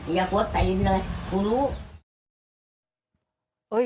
อย่ากลัวไปเลยจริงเลย